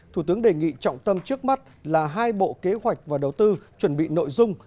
thủ tướng đề nghị trọng tâm trước mắt là hai bộ kế hoạch và đầu tư chuẩn bị nội dung